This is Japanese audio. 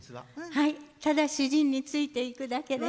ただ主人についていくだけです。